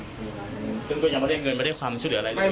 อืมซึ่งก็ยังไม่ได้เงินไม่ได้ความช่วยเหลืออะไรเลย